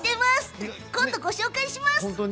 今度ご紹介します。